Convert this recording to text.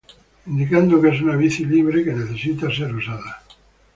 Indicando que es una bici libre que necesita ser usada.